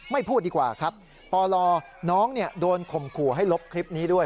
พูดดีกว่าครับปลน้องโดนข่มขู่ให้ลบคลิปนี้ด้วย